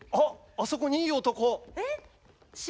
あそこにいい男。